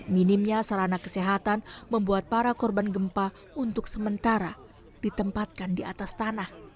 minimnya sarana kesehatan membuat para korban gempa untuk sementara ditempatkan di atas tanah